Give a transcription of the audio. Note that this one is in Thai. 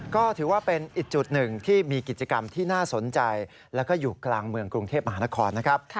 ก็ถือว่าเป็นอีกจุดหนึ่งที่มีกิจกรรมที่น่าสนใจแล้วก็อยู่กลางเมืองกรุงเทพมหานครนะครับ